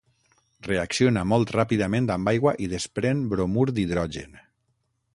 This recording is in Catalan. Reacciona molt ràpidament amb aigua i desprèn bromur d'hidrogen.